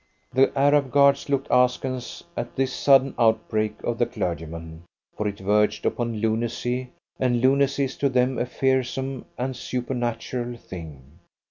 The Arab guards looked askance at this sudden outbreak of the clergyman, for it verged upon lunacy, and lunacy is to them a fearsome and supernatural thing.